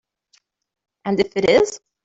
And if it is?